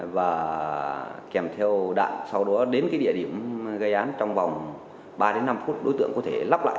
và kèm theo đạn sau đó đến cái địa điểm gây án trong vòng ba đến năm phút đối tượng có thể lắp lại